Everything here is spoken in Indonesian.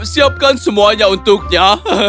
siapkan semuanya untuknya